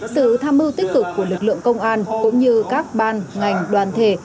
sự tham mưu tích cực của lực lượng công an cũng như các ban ngành đoàn thể